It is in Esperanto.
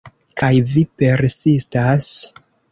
Kaj vi persistas?